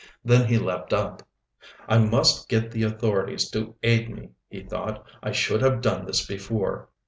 Then he leaped up. "I must get the authorities to aid me," he thought. "I should have done this before."